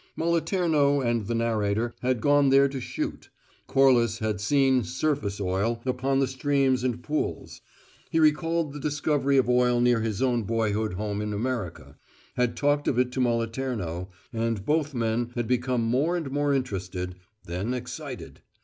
Moliterno and the narrator had gone there to shoot; Corliss had seen "surface oil" upon the streams and pools; he recalled the discovery of oil near his own boyhood home in America; had talked of it to Moliterno, and both men had become more and more interested, then excited.